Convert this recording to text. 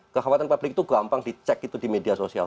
kehawatiran publik itu gampang dicek di media sosial